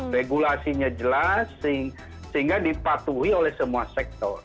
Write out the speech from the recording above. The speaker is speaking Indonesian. regulasinya jelas sehingga dipatuhi oleh semua sektor